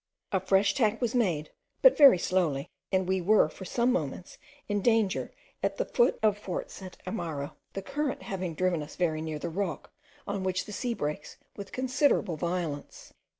A fresh tack was made, but very slowly, and we were for some moments in danger at the foot of fort St. Amarro, the current having driven us very near the rock, on which the sea breaks with considerable violence.